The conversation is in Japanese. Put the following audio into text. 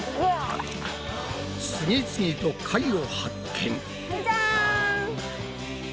次々と貝を発見！